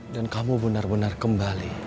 dan kamu benar benar kembali